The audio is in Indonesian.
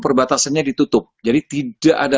perbatasannya ditutup jadi tidak ada